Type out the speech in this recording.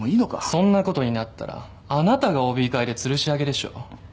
そんなことになったらあなたがＯＢ会でつるし上げでしょ